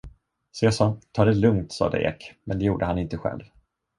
Seså, ta det lugnt, sade Ek, men det gjorde han inte själv.